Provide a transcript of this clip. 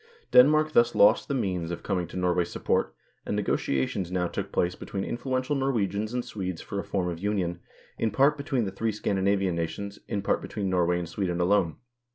Denmark thus lost the means of coming to Norway's support, and negotiations now took place between influential Norwegians and Swedes for a form of union, in part between the three Scandinavian nations, in part between Norway and Sweden alone.